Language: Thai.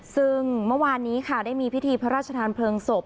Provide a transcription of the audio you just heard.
ซึ่งเมื่อวานนี้ค่ะได้มีพิธีพระราชทานเพลิงศพ